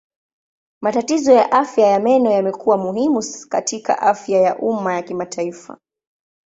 Matatizo ya afya ya meno yamekuwa muhimu katika afya ya umma ya kimataifa.